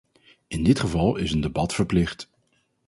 In dit geval is een debat verplicht!